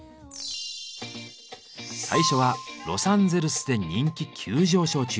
最初はロサンゼルスで人気急上昇中！